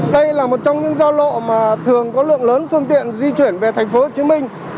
đây là một trong những giao lộ mà thường có lượng lớn phương tiện di chuyển về tp hcm